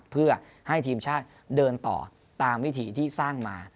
เพื่อให้ทีมชาติเดินต่อตามวิถีที่สร้างมา